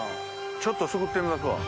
ちょっとすくってみますわ。